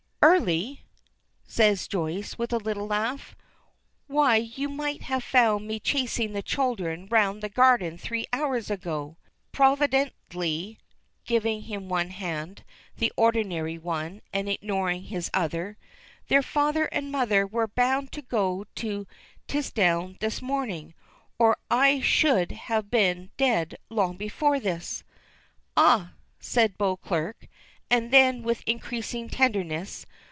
"Early!" says Joyce, with a little laugh. "Why you might have found me chasing the children round the garden three hours ago. Providentially," giving him one hand, the ordinary one, and ignoring his other, "their father and mother were bound to go to Tisdown this morning or I should have been dead long before this." "Ah!" says Beauclerk. And then with increasing tenderness.